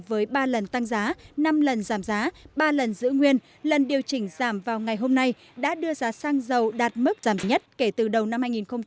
với ba lần tăng giá năm lần giảm giá ba lần giữ nguyên lần điều chỉnh giảm vào ngày hôm nay đã đưa giá xăng dầu đạt mức giảm nhất kể từ đầu năm hai nghìn một mươi chín